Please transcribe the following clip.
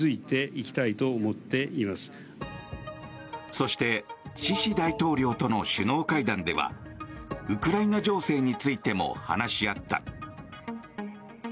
そしてシシ大統領との首脳会談ではウクライナ情勢についても話し合った。